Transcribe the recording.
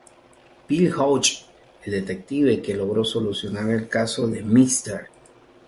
Bill Hodges, el detective que logró solucionar el caso de Mr.